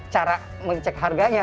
cara mengecek harganya